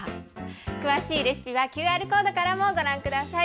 詳しいレシピはＱＲコードからもご覧ください。